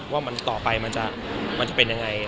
ว่าต่อไปมันจะเป็นยังไง